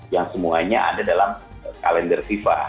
yang semuanya ada dalam kalender fifa